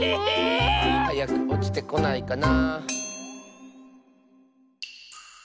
はやくおちてこないかな。